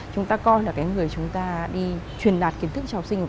chúng ta coi là cái người chúng ta đi truyền đạt kiến thức cho học sinh